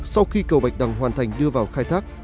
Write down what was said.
sau khi cầu bạch đằng hoàn thành đưa vào khai thác